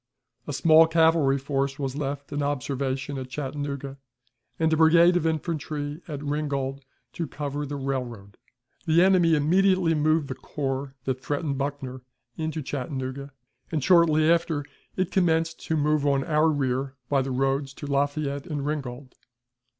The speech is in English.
A small cavalry force was left in observation at Chattanooga, and a brigade of infantry at Ringgold to cover the railroad. The enemy immediately moved the corps that threatened Buckner into Chattanooga, and, shortly after, it commenced to move on our rear by the roads to Lafayette and Ringgold.